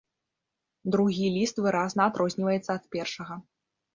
Другі ліст выразна адрозніваецца ад першага.